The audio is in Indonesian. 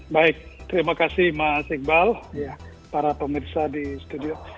baik terima kasih mas iqbal para pemirsa di studio